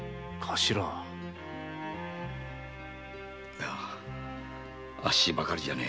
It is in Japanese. いえあっしばかりじゃねぇ。